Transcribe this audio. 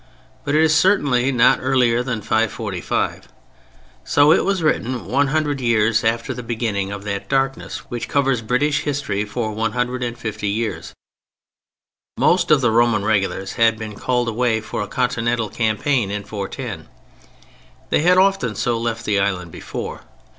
But it is certainly not earlier than 545. So it was written one hundred years after the beginning of that darkness which covers British history for one hundred and fifty years; most of the Roman regulars had been called away for a continental campaign in 410. They had often so left the island before.